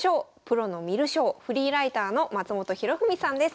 プロの観る将フリーライターの松本博文さんです。